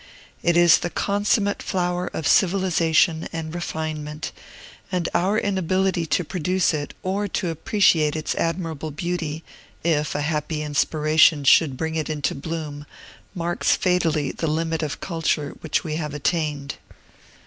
It is the consummate flower of civilization and refinement; and our inability to produce it, or to appreciate its admirable beauty, if a happy inspiration should bring it into bloom, marks fatally the limit of culture which we have attained.